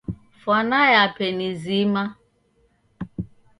Fwana yape ni zima.